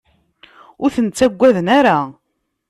Ur ten-ttagaden ara.